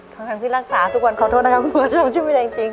ท่านที่รักษาทุกวันขอโทษนะครับคุณหมอจุ๋มชื่อไม่ได้จริง